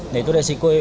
nah itu resiko